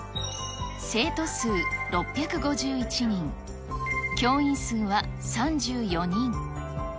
生徒数６５１人、教員数は３４人。